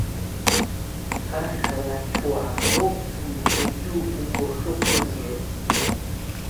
Ақалақьуаа роуп зынӡагьы угәахы ԥызжәо.